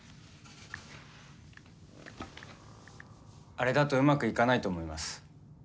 あれだとうまくいかないと思います。